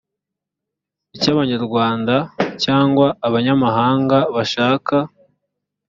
icy abanyarwanda cyangwa abanyamahanga bashaka